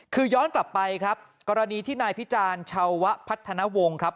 คือย้อนกลับไปครับกรณีที่นายพิจารณ์ชาวพัฒนวงครับ